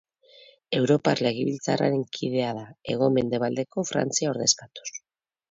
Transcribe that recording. Europar Legebiltzarraren kidea da, hego-mendebaldeko Frantzia ordezkatuz.